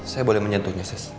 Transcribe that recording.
saya boleh menyentuhnya sis